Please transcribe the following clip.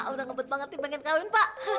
udah ngebet banget nih pengen kawin pak